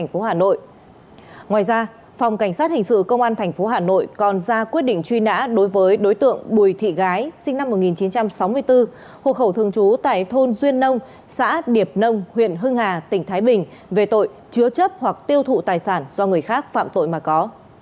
cũng liên quan đến tội gây dối trật tự công cộng phòng cảnh sát hình sự công an tp hcm đã ra quyết định truy nã đối với đối tượng bùi thị gái sinh năm một nghìn chín trăm sáu mươi bốn hộ khẩu thường trú tại thôn duyên nông xã điệp nông huyện hưng hà tỉnh thái bình về tội chứa chấp hoặc tiêu thụ tài sản do người khác phạm tội mà có